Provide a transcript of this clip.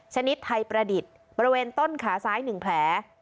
ชนิดไทยประดิษฐ์บริเวณต้นขาซ้าย๑แผล